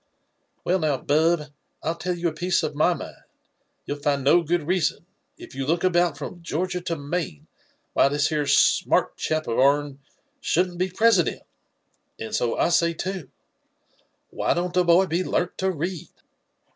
'' Well noWi Bub, Til tell you a piec^ of my mipd : you'll 6nd qo good reason, if you look about from Georgia to Maine, why this 'ero smart chap of Qur'n shouldn't be President — and so I say (ao, why don't the boy be learnt to read?"